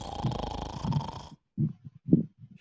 该建筑被列入瑞士国家和区域重要文化财产名录。